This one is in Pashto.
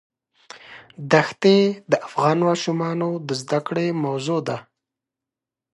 دښتې د افغان ماشومانو د زده کړې موضوع ده.